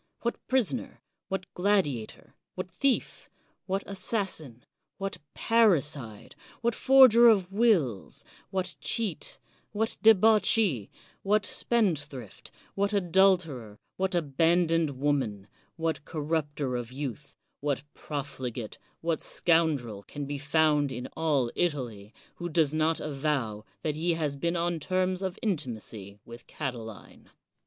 What prisoner, what gladiator, what thief, what assassin, what parricide, what forger of wills, what cheat, what debauchee, what spendthrift, what adulterer, what abandoned woman, what corrupter of youth, what profligate, what scoun drel can be found in all Italy, who does not avow that he has been on terms of intimacy with Cati line?